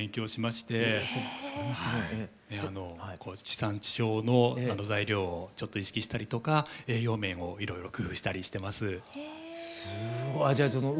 地産地消の材料をちょっと意識したりとか栄養面をいろいろ工夫したりしてます。